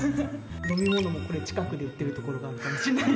飲み物もこれ近くで売ってる所があるかもしんない。